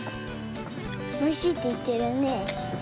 「おいしい」っていってるね。